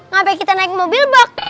gak payah kita naik mobil bak